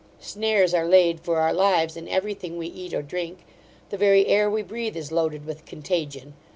Snares are laid for our lives in every thing we cat or drink: the very air we breathe, is loaded with contagion.